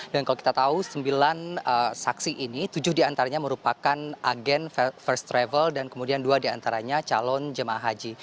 dan kalau kita tahu sembilan saksi ini tujuh diantaranya merupakan agen first travel dan kemudian dua diantaranya calon jemaah haji